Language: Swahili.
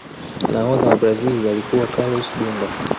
nahodha wa brazil alikuwa carlos dunga